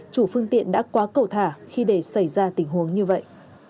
chủ phương tiện đã quá cầu thả khi để xảy ra tình huống như vậy